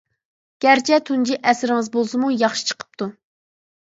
گەرچە تۇنجى ئەسىرىڭىز بولسىمۇ ياخشى چىقىپتۇ.